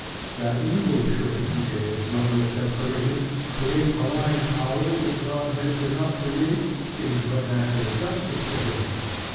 That evil should, in its loveless desperation, create malign powers which Godhead could not create, seems but natural justice to him.